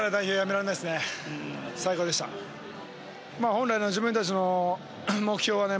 本来の自分たちの目標はね